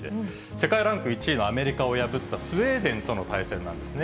世界ランク１位のアメリカを破ったスウェーデンとの対戦なんですね。